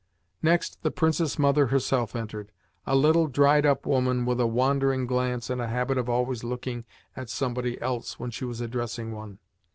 Next, the Princess Mother herself entered a little dried up woman, with a wandering glance and a habit of always looking at somebody else when she was addressing one.